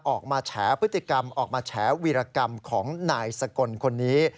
แฉพฤติกรรมออกมาแฉวีรกรรมของนายสกลคนนี้